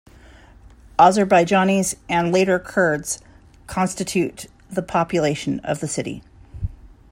Azerbaijanis and later Kurds constitute the population of the city.